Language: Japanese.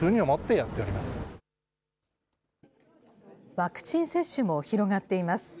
ワクチン接種も広がっています。